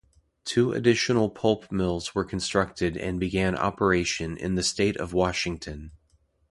Two additional pulp mills were constructed and began operation in the state of Washington.